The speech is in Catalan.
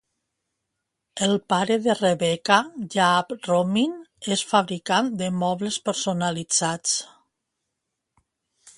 El pare de Rebecca, Jaap Romijn, és fabricant de mobles personalitzats.